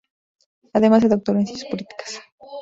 Además se doctoró en Ciencias Políticas.